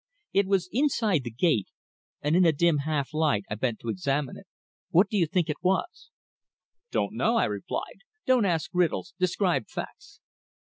It was inside the gate, and in the dim half light I bent to examine it. What do you think it was?" "Don't know," I replied. "Don't ask riddles describe facts."